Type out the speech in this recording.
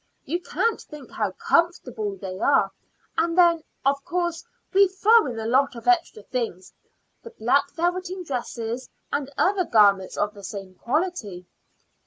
You can't think how comfortable they are. And then, of course, we throw in a lot of extra things the black velveteen dresses, and other garments of the same quality."